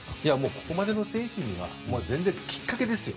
ここまでの選手には全然、きっかけですよ。